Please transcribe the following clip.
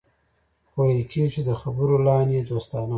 خو ويل کېږي چې د خبرو لحن يې دوستانه و.